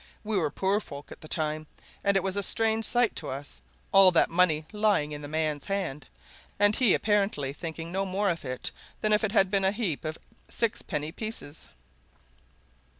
We were poor folk at that time, and it was a strange sight to us, all that money lying in the man's hand, and he apparently thinking no more of it than if it had been a heap of six penny pieces.